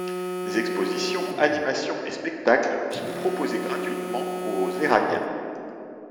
Des expositions, animations et spectacles sont proposés gratuitement aux Éragniens.